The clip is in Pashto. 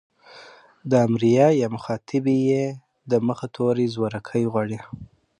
د امريه يا مخاطبې ئ د مخه توری زورکی غواړي.